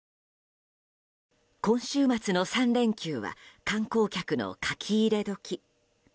今週末の３連休は観光客の書き入れ時。